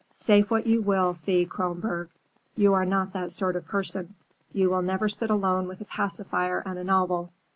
"Say what you will, Thea Kronborg, you are not that sort of person. You will never sit alone with a pacifier and a novel.